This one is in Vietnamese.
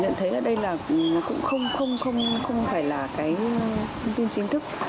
nhận thấy là đây là cũng không không không không phải là cái thông tin chính thức